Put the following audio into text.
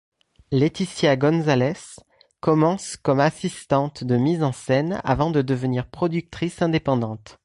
Laetitia Gonzalez commence comme assistante de mise en scène avant de devenir productrice indépendante.